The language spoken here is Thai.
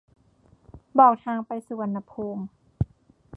บอกทางไปสุวรรณภูมิ